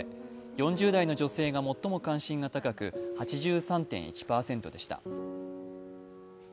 ４０代の女性が最も関心が高く８３．１％でした。